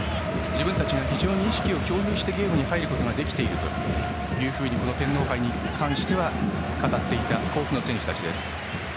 自分たちが非常に意識を共有してゲームに入れているとこの天皇杯に関して語っていた甲府の選手たちです。